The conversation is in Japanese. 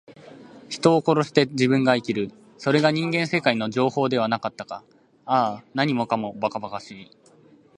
人を殺して自分が生きる。それが人間世界の定法ではなかったか。ああ、何もかも、ばかばかしい。